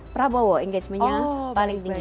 prabowo engagementnya paling tinggi